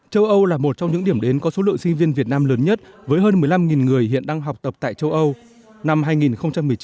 châu âu là một trong những điểm đến có số lượng sinh viên việt nam lớn nhất với hơn một mươi năm người hiện đang học tập tại châu âu